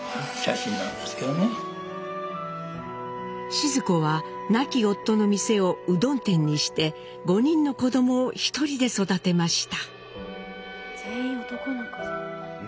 シヅ子は亡き夫の店をうどん店にして５人の子供を１人で育てました。